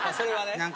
何か。